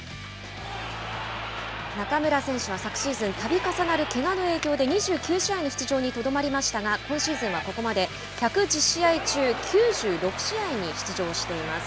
中村選手は昨シーズンたび重なるけがの影響で２９試合の出場にとどまりましたが今シーズンはここまで１１０試合中９６試合に出場しています。